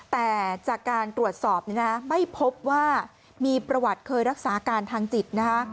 แต่จากการตรวจสอบไม่พบว่ามีประวัติเคยรักษาการทางจิตนะคะ